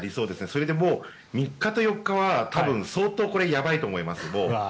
それでもう３日と４日は相当やばいと思います。